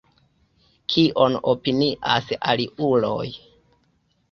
Kion opinias aliuloj?